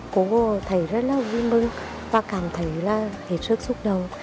cô thấy rất là vui mừng và cảm thấy là hết sức xúc động